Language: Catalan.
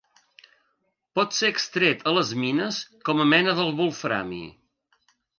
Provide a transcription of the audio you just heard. Pot ser extret a les mines com a mena del wolframi.